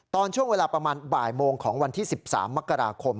ตอนช่วงเวลาประมาณบ่ายโมงของวันที่๑๓มกราคม